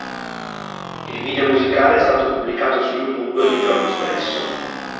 Il video musicale è stato pubblicato su YouTube il giorno stesso.